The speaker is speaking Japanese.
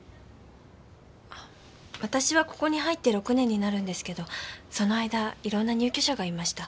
あ私はここに入って６年になるんですけどその間いろんな入居者がいました。